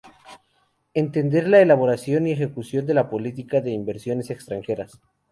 Entender en la elaboración y ejecución de la política de inversiones extranjeras.